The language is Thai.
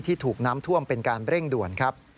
ถูกน้ำท่วมเป็นการเร่งด่วนครับ